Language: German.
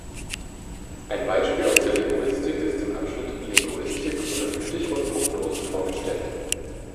Ein Beispiel aus der Linguistik ist im Abschnitt „Linguistik“ unter dem Stichwort Prognose vorgestellt.